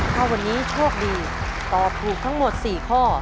ถ้าวันนี้โชคดีตอบถูกทั้งหมด๔ข้อ